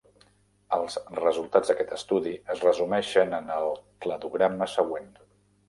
Els resultats d'aquest estudi es resumeixen en el cladograma següent.